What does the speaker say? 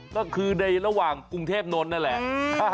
ก็คือในระหว่างกรุงเทพนนท์นั่นแหละ